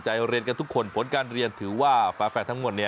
ใจเรียนกันทุกคนผลการเรียนถือว่าฝาแฝดทั้งหมด